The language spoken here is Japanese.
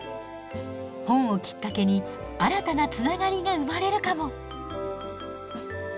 本をきっかけに新たなつながりが生まれるかも！